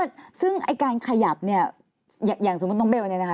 เอ่อซึ่งการขยับอย่างสมมุติน้องเบลอย่างนี้นะคะ